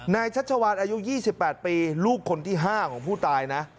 นายชัชชาวาสอายุยี่สิบแปดปีลูกคนที่ห้าของผู้ตายนะ